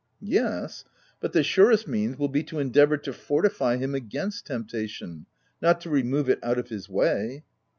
' Yes, but the surest means will be, to en D 2 52 THE TENANT deavour to fortify him against temptation, not to remove it out of his way."